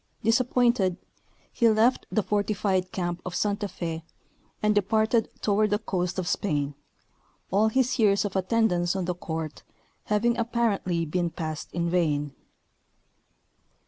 Disappointed, he left the fortified camp of Santa Fe, and departed toward the coast of Spain, all his years of attendance on the court having apparently been passed in vain.